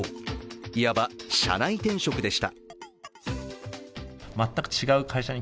いわば、社内転職でした。